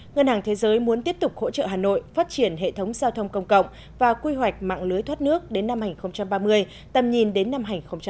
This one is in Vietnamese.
ngân hàng thế giới muốn tiếp tục hỗ trợ hà nội phát triển hệ thống giao thông công cộng và quy hoạch mạng lưới thoát nước đến năm hai nghìn ba mươi tầm nhìn đến năm hai nghìn bốn mươi năm